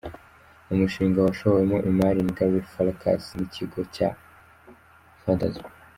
Ni umushinga washowemo imari na Gary Farkas n’ikigo cya Phantasm.